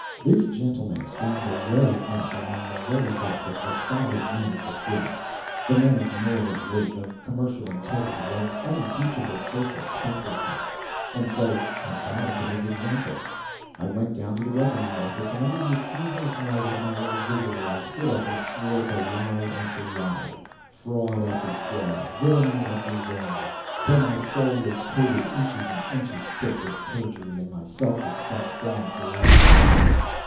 This gentleman stands away up among the very best of the solid men of the city the men of moral weight, of commercial integrity, of unimpeachable social spotlessness and so I bowed to his example. I went down to the revenue office, and under the accusing eyes of my old visitor I stood up and swore to lie after lie, fraud after fraud, villainy after villainy, till my soul was coated inches and inches thick with perjury, and my self respect gone for ever and ever.